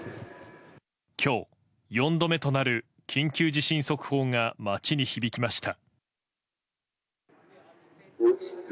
今日、４度目となる緊急地震速報が街に響きました。